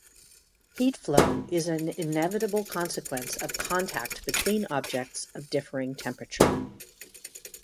Heat flow is an inevitable consequence of contact between objects of differing temperature.